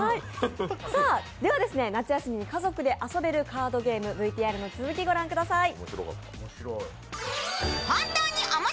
では、夏休み家族で遊べるカードゲーム、ＶＴＲの続き、御覧ください。